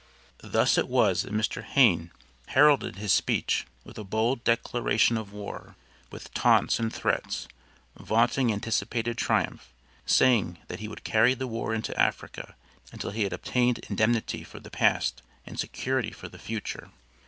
Thus it was that Mr. Hayne heralded his speech with a bold declaration of war, with taunts and threats, vaunting anticipated triumph saying 'that he would carry the war into Africa until he had obtained indemnity for the past and security for the future.'